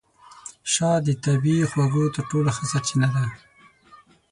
شات د طبیعي خوږو تر ټولو ښه سرچینه ده.